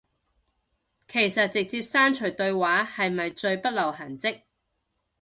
其實直接刪除對話係咪最不留痕跡